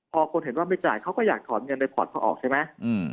พอคนเห็นว่าไม่จ่ายเขาก็อยากถอนเงินไปพอร์ตเขาออกใช่ไหม